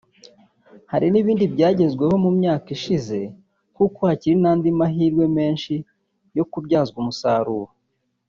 hari n’ibindi byagezweho mu myaka ishize nk’uko hakiri n’andi mahirwe menshi yo kubyazwa umusaruro